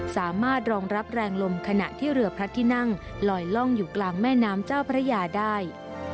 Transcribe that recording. สามารถรองรับแรงลมขณะที่เรือพระที่นั่งลอยล่องอยู่กลางแม่น้ำเจ้าพระยาได้